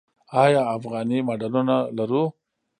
آیا افغاني ماډلونه لرو؟